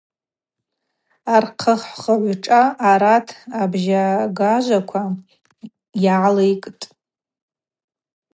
Архъвыхыгӏв шӏа арат абжьагажваква йылайкӏтӏ.